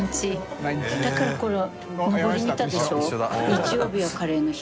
「日曜日はカレーの日」